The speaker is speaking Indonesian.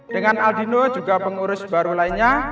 dengan aldino juga pengurus baru lainnya